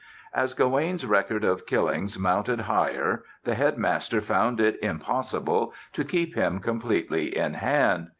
As Gawaine's record of killings mounted higher the Headmaster found it impossible to keep him completely in hand.